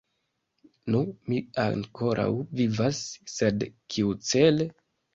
Nu, mi ankoraŭ vivas, sed kiucele?